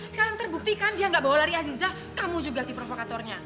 sekarang terbukti kan dia gak bawa lari aziza kamu juga si provokatornya